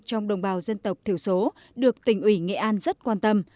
trong đồng bào dân tộc thiểu số được tỉnh ủy nghệ an rất quan tâm